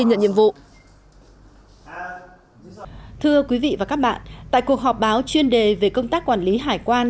nhận nhiệm vụ thưa quý vị và các bạn tại cuộc họp báo chuyên đề về công tác quản lý hải quan